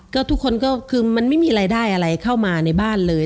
ก็ทุกคนก็คือมันไม่มีรายได้อะไรเข้ามาในบ้านเลย